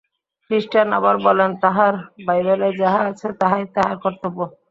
খ্রীষ্টান আবার বলেন, তাঁহার বাইবেলে যাহা আছে, তাহাই তাঁহার কর্তব্য।